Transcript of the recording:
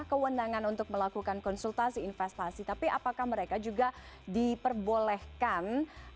kewenangan untuk melakukan konsultasi investasi tapi apakah mereka juga diperbolehkan